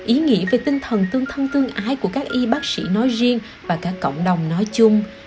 ý nghĩa về tinh thần tương thân tương ái của các y bác sĩ nói riêng và cả cộng đồng nói chung